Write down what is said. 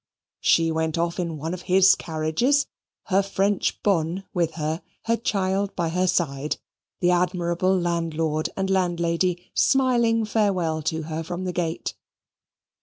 She went off in one of his carriages; her French bonne with her; the child by her side; the admirable landlord and landlady smiling farewell to her from the gate.